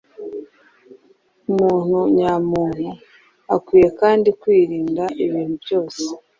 Umuntu nyamuntu akwiye kandi kwirinda ibintu byose